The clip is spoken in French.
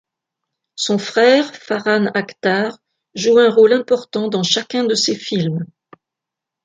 Son frère Farhan Akhtar, joue un rôle important dans chacun de ces films.